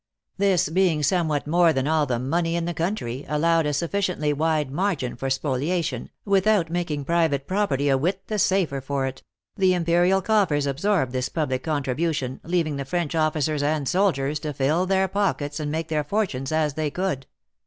This being somewhat more than all the money in the country, allowed a sufficiently wide margin for spoliation, without making private property a whit the safer for it ; the imperial coffers absorbed this public contribution, leaving the French officers and soldiers to fill their pockets and make their fortunes as they could."